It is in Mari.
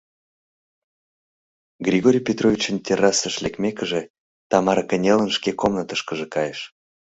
Григорий Петровичын террасыш лекмекыже, Тамара кынелын шке комнатышкыже кайыш.